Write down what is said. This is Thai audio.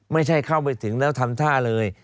ไม่ใช่เข้าไปถึงแล้วทำท่าเลย